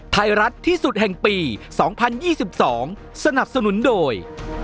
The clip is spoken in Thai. ไทรัตที่สุดแห่งปีสองพันยี่สิบสองสนับสนุนโดย